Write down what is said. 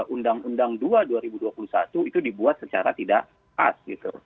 undang undang dua dua ribu dua puluh satu itu dibuat secara tidak pas gitu